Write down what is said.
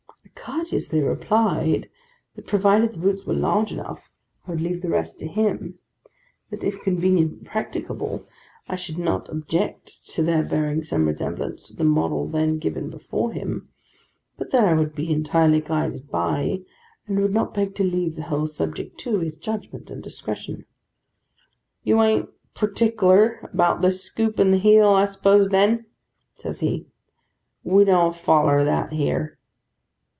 I courteously replied, that provided the boots were large enough, I would leave the rest to him; that if convenient and practicable, I should not object to their bearing some resemblance to the model then before him; but that I would be entirely guided by, and would beg to leave the whole subject to, his judgment and discretion. 'You an't partickler, about this scoop in the heel, I suppose then?' says he: 'we don't foller that, here.